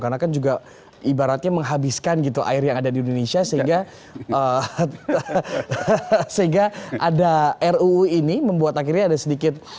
karena kan juga ibaratnya menghabiskan air yang ada di indonesia sehingga ada ruu ini membuat akhirnya ada sedikit